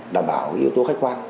đảm bảo yếu tố khách quan